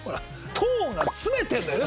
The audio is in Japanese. トーンが詰めてるんだよね